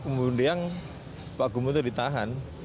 kemudian pak gubernur ditahan